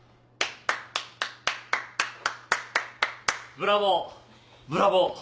ブラボーブラボー。